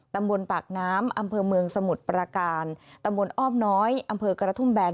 ตำบลปากน้ำอำเภอเมืองสมุทรประการตำบลอ้อมน้อยอำเภอกระทุ่มแบน